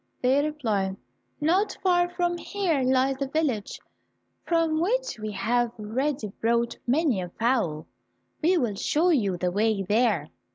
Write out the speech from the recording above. They replied, "Not far from here lies a village, from which we have already brought many a fowl; we will show you the way there."